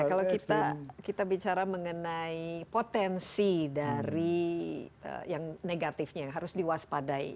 kalau kita bicara mengenai potensi dari yang negatifnya yang harus diwaspadai